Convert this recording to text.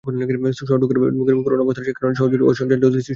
শহরে ঢোকার মুখে সড়কের করুণ অবস্থার কারণে শহরজুড়েই অসহনীয় যানজটের সৃষ্টি হচ্ছে।